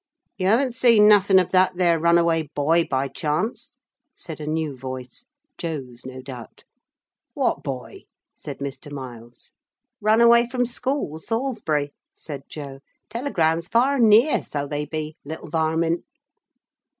'You haven't seen nothing of that there runaway boy by chance?' said a new voice Joe's no doubt. 'What boy?' said Mr. Miles. 'Run away from school, Salisbury,' said Joe. 'Telegrams far and near, so they be. Little varmint.'